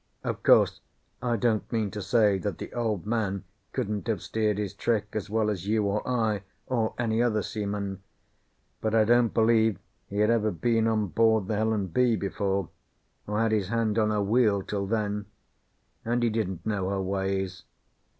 Of course, I don't mean to say that the Old Man couldn't have steered his trick as well as you or I or any other seaman; but I don't believe he had ever been on board the Helen B. before, or had his hand on her wheel till then; and he didn't know her ways.